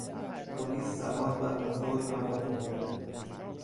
پلیس سوار بر موتور یا اتومبیل